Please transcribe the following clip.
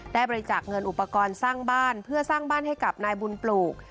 ได้บริจาคเงินอุปกรณ์สร้างบ้านเพื่อสร้างบ้านให้กับนายบุญปลูก